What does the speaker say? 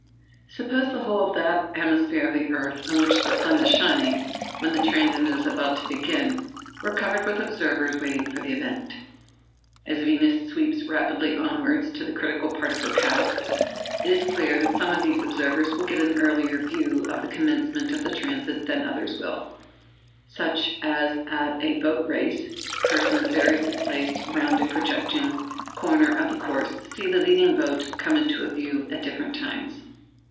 Suppose the whole of that hemisphere of the earth on which the sun is shining when the transit is about to begin were covered with observers waiting for the event. As Venus sweeps rapidly onwards to the critical part of her path, it is clear that some of these observers will get an earlier view of the commencement of the transit than others will; just as at a boat race, persons variously placed round a projecting corner of the course see the leading boat come into view at different times.